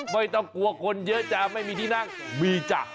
ไม่ต้องกลัวคนเยอะจะไม่มีที่นั่งมีจ้ะ